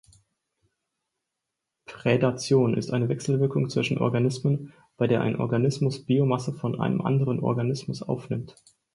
Prädation ist eine Wechselwirkung zwischen Organismen, bei der ein Organismus Biomasse von einem anderen Organismus aufnimmt.